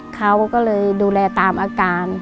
เขาก็เลยดูแลตามอาการ